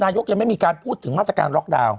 ยังไม่มีการพูดถึงมาตรการล็อกดาวน์